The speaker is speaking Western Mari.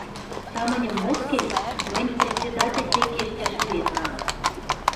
Самыньым мот гӹнь, мӹнь «Председатель тенге ӹштӓш шӱден» манам...